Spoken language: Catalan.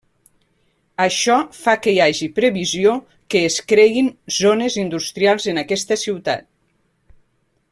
Això fa que hi hagi previsió que es creïn zones industrials en aquesta ciutat.